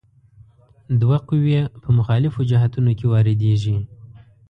دوه قوې په مخالفو جهتونو کې واردیږي.